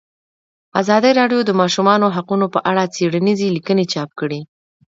ازادي راډیو د د ماشومانو حقونه په اړه څېړنیزې لیکنې چاپ کړي.